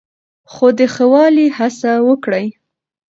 خو د ښه والي هڅه وکړئ.